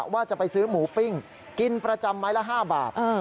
ว่าจะไปซื้อหมูปิ้งกินประจำไม้ละ๕บาท